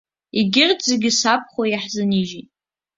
Егьырҭ зегьы сабхәа иаҳзынижьит.